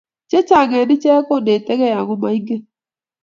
chechang eng icheek konetigie ago maingen